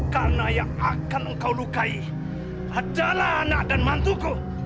karena yang akan engkau lukai adalah anak dan mantuku